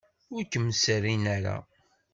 Ur kem-serrin ara.